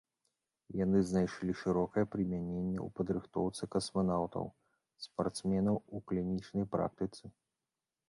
Яны знайшлі шырокае прымяненне ў падрыхтоўцы касманаўтаў, спартсменаў, у клінічнай практыцы.